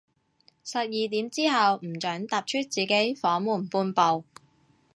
十二點之後，唔准踏出自己房門半步